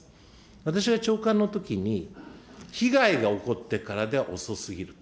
私は長官のときに、被害が起こってからでは遅すぎると。